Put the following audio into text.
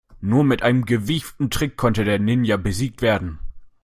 Nur mit einem gewieften Trick konnte der Ninja besiegt werden.